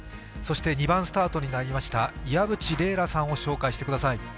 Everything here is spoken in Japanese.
そして２番スタートになりました岩渕麗楽さんを紹介してください。